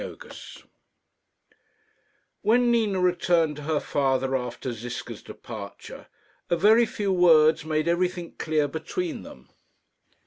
CHAPTER IV When Nina returned to her father after Ziska's departure, a very few words made everything clear between them.